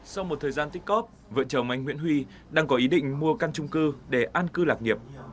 sau một thời gian tích cóp vợ chồng anh nguyễn huy đang có ý định mua căn trung cư để an cư lạc nghiệp